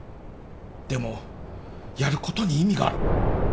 でもやることに意味がある